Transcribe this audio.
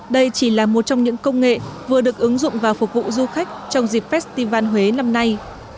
đây chỉ là một trong những công nghệ vừa được ứng dụng và phục vụ du khách trong dịp festival huế năm nay